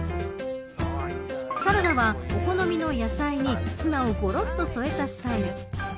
サラダは、好みの野菜にツナをごろっと添えたスタイル。